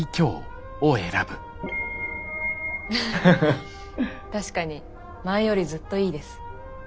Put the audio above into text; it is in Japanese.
フフッ確かに前よりずっといいです。